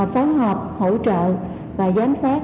phối hợp hỗ trợ và giám sát